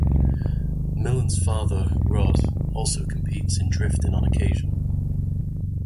Millen's father, Rod, also competes in drifting on occasion.